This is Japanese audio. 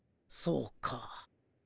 そうか。